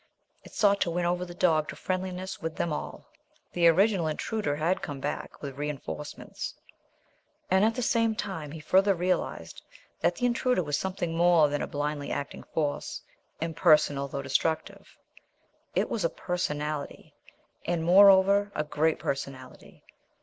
It sought to win over the dog to friendliness with them all. The original Intruder had come back with reinforcements. And at the same time he further realized that the Intruder was something more than a blindly acting force, impersonal though destructive. It was a Personality, and moreover a great personality.